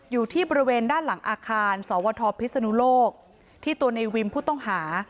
อยู่ที่บริเวณด้านหลังอาคารสวทพิศนุโลกที่ตัวในวิมผู้ต้องหา